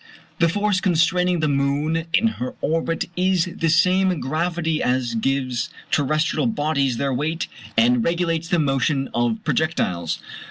The force constraining the moon in her orbit is the same gravity as gives terrestrial bodies their weight and regulates the motion of projectiles.